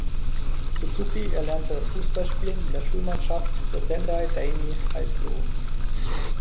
Suzuki erlernte das Fußballspielen in der Schulmannschaft der "Sendai Daini High School".